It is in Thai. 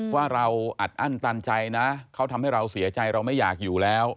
ว่าเราอัดอั้นตันใจนะเขาทำให้เราเสียใจเราไม่อยากอยู่แล้ว